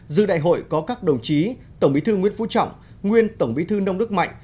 dư đại hội có các đồng chí tổng bí thư nguyễn phú trọng nguyên tổng bí thư nông đức mạnh